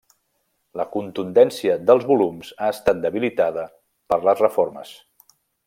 La contundència dels volums ha estat debilitada per les reformes.